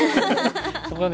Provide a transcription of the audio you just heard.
そこがね